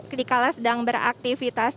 ketika sedang beraktivitas